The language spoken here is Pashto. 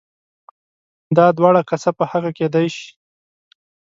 دا دواړه کسه په حقه کېدای شي؟